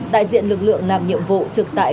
đại diện lực lượng làm nhiệm vụ trực tại